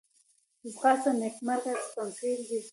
ځغاسته د نېکمرغۍ تمثیل دی